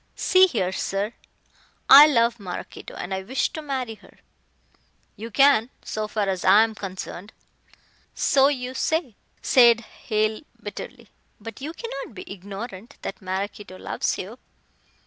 "See here, sir; I love Maraquito and I wish to marry her." "You can, so far as I am concerned," "So you say," said Hale bitterly, "but you cannot be ignorant that Maraquito loves you."